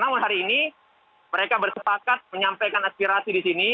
namun hari ini mereka bersepakat menyampaikan aspirasi di sini